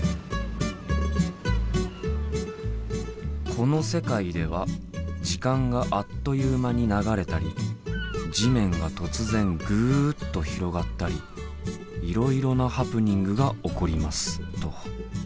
「この世界では時間があっという間に流れたり地面が突然ぐっと広がったりいろいろなハプニングが起こります」と。